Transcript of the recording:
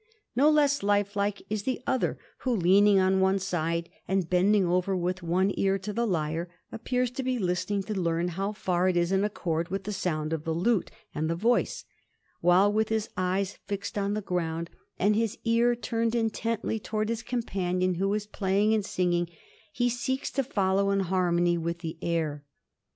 No less lifelike is the other, who, leaning on one side, and bending over with one ear to the lyre, appears to be listening to learn how far it is in accord with the sound of the lute and the voice, while, with his eyes fixed on the ground, and his ear turned intently towards his companion, who is playing and singing, he seeks to follow in harmony with the air.